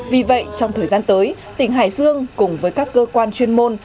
vì vậy trong thời gian tới tỉnh hải dương cùng với các cơ quan chuyên môn